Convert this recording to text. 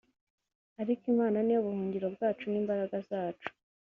Ariko Imana niyo buhungiro bwacu ni imbaraga zacu